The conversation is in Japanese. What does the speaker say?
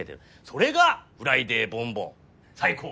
それが「フライデーボンボン」最高。